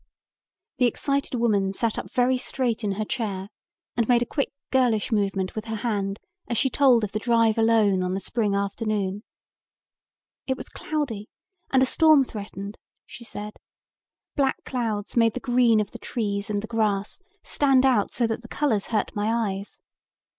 The excited woman sat up very straight in her chair and made a quick girlish movement with her hand as she told of the drive alone on the spring afternoon. "It was cloudy and a storm threatened," she said. "Black clouds made the green of the trees and the grass stand out so that the colors hurt my eyes.